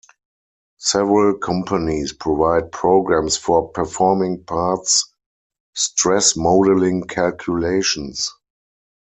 Several companies provide programs for performing parts stress modelling calculations.